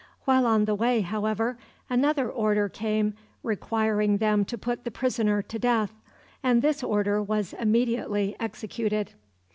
While on the way, however, another order came requiring them to put the prisoner to death, and this order was immediately executed.